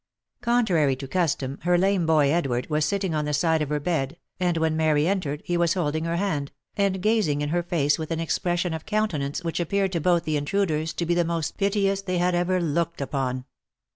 Contrary to custom, her lame boy, Edward, was sitting on the side of her bed, and when Mary entered, he was holding her hand, and gazing in her face with an expression of countenance which appeared to both the intruders to be the most piteous they had ever looked upon.